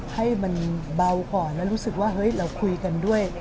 ให้มันเบาก่อนแล้วรู้สึกว่าเฮ้ยเราคุยกันด้วย